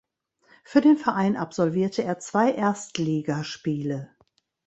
Für den Verein absolvierte er zwei Erstligaspiele.